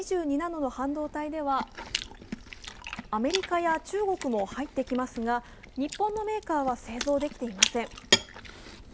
ナノの半導体ではアメリカや中国も入ってきますが日本のメーカーは製造できていません。